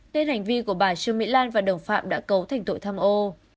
nên hành vi của bà trương mỹ lan và đồng phạm đã cấu thành tội tham ô